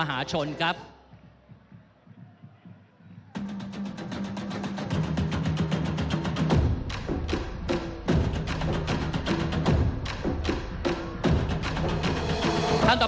ท่านแรกครับจันทรุ่ม